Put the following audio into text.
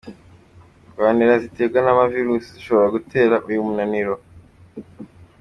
ndwanra ziterwa n’ama virus zishobora gutera uyu munaniro.